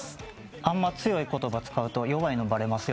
あんま強い言葉使うと弱いのバレますよ。